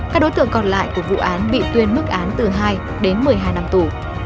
các đối tượng còn lại của vụ án bị tuyên mức án từ hai đến một mươi hai năm tù